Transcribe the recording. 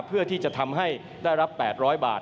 เพื่อให้ได้รับ๘๐๐บาท